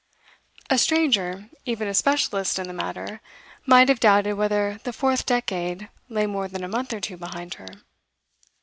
A stranger, even a specialist in the matter, might have doubted whether the fourth decade lay more than a month or two behind her.